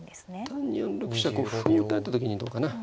単に４六飛車こう歩を打たれた時にどうかな。